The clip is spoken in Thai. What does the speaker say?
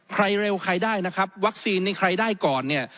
เร็วใครได้นะครับวัคซีนนี่ใครได้ก่อนเนี่ย